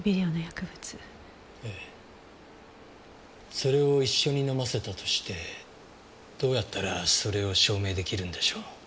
それを一緒に飲ませたとしてどうやったらそれを証明出来るんでしょう？